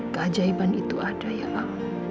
keajaiban itu ada ya allah